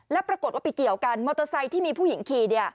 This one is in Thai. แล้วปรากฏว่าไปเกี่ยวกันมอเตอร์ไซค์ที่มีผู้หญิงขี่